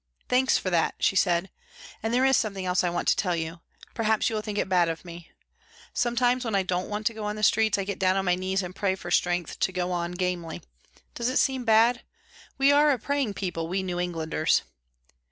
"Thanks for that," she said, "and there is something else I want to tell you. Perhaps you will think it bad of me. Sometimes when I don't want to go on the streets I get down on my knees and pray for strength to go on gamely. Does it seem bad? We are a praying people, we New Englanders."